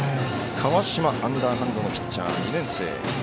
川島アンダーハンドのピッチャー２年生。